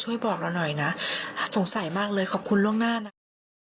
บอกเราหน่อยนะสงสัยมากเลยขอบคุณล่วงหน้านะคะ